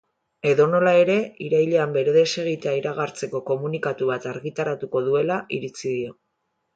Edonola ere, irailean bere desegitea iragartzeko komunikatu bat argitaratuko duela iritzi dio.